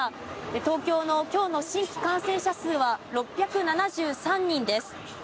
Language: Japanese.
東京の今日の新規感染者数は６７３人です。